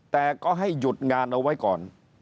แต่ก็ให้หยุดงานเอาไว้ก่อน